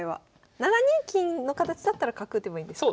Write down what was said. ７二金の形だったら角打てばいいんですか？